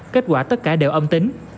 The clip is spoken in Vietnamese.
kết quả tất cả đều âm tính